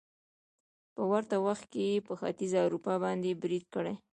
په ورته وخت کې يې په ختيځې اروپا باندې بريد کړی وو